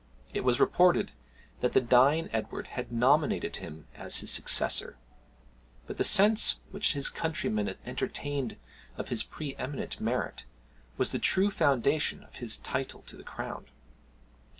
It was reported that the dying Edward had nominated him as his successor; but the sense which his countrymen entertained of his pre eminent merit was the true foundation of his title to the crown.